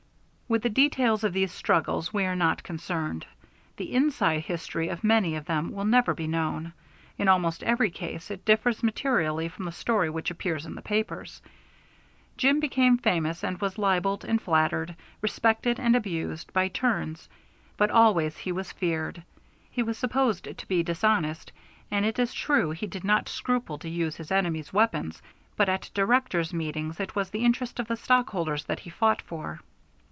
With the details of these struggles we are not concerned. The "inside" history of many of them will never be known; in almost every case it differs materially from the story which appeared in the papers. Jim became famous and was libelled and flattered, respected and abused, by turns; but always he was feared. He was supposed to be dishonest, and it is true he did not scruple to use his enemies' weapons; but at directors' meetings it was the interest of the stockholders that he fought for.